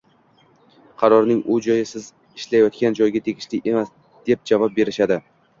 Qarorning u joyi siz ishlayotgan joyga tegishli emas deb javob berishadi.